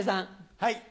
はい。